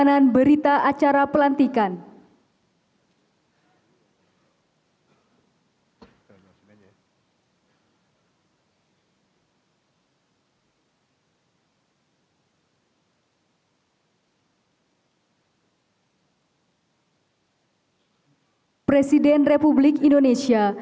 dengan seluruh seluruhnya serta berbakti kepada nusa dan bangsa